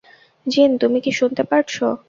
জিন, তুমি কি শুনতে পারছো।